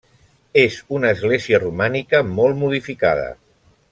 És una església romànica molt modificada.